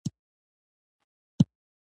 ښايي په دواړو ښارونو کې توپیرونه موجود وي.